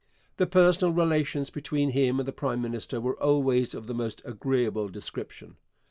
The personal relations between him and the prime minister were always of the most agreeable description.